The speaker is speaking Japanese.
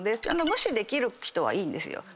無視できる人はいいんですよ。